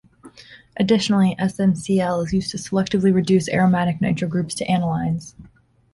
Additionally, SnCl is used to selectively reduce aromatic nitro groups to anilines.